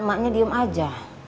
maknya diem aja